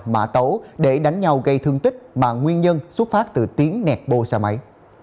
mã tấu để đánh nhau gây thương tích mà nguyên nhân xuất phát từ tiếng nẹp bô xe máy